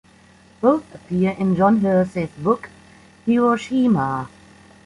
Both appear in John Hersey's book, "Hiroshima".